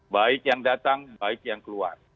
baik yang datang baik yang keluar